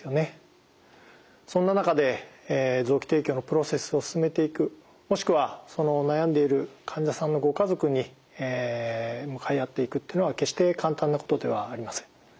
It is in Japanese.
そんな中で臓器提供のプロセスを進めていくもしくは悩んでいる患者さんのご家族に向かい合っていくっていうのは決して簡単なことではありません。